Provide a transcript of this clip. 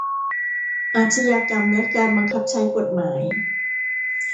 อาชญากรรมและการบังคับใช้กฎหมาย